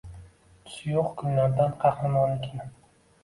tusi yoʼq kunlardan qahramonlikni